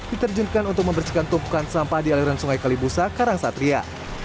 diterjunkan untuk membersihkan tumpukan sampah di aliran sungai kalibusa karangsatria